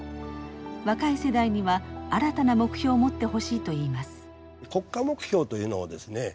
若い世代には新たな目標を持ってほしいと言います。